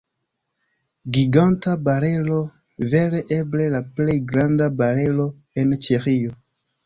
Giganta barelo, vere eble la plej granda barelo en Ĉeĥio.